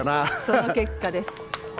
その結果です。